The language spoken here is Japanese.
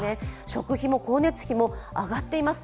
食費も光熱費も上がっています。